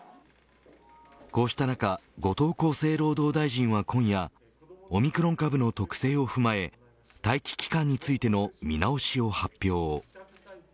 こうした中後藤厚生労働大臣は今夜オミクロン株の特性を踏まえ待期期間についての見直しを発表。